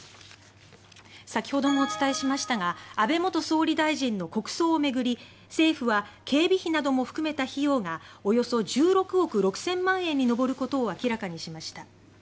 先ほどもお伝えしましたが安倍元総理大臣の国葬を巡り政府は警備費なども含めた費用がおよそ１６億６０００万円に上ることを明らかにしました。